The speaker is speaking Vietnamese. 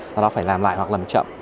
do đó phải làm lại hoặc làm chậm